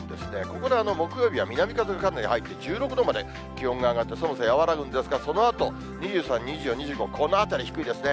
ここで木曜日は南風がかなり入って、１６度まで気温が上がって、寒さ和らぐんですが、そのあと、２３、２４、２５、このあたり低いですね。